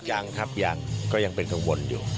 ยังครับยังก็ยังเป็นกังวลอยู่